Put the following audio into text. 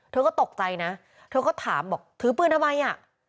เธอก็ตกใจนะเธอก็ถามบอกถือปืนทำไมอ่ะ